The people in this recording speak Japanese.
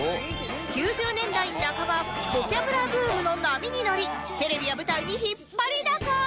９０年代半ばボキャブラブームの波に乗りテレビや舞台に引っ張りだこ